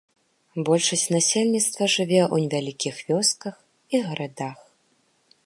Большасць насельніцтва жыве ў невялікіх вёсках і гарадах.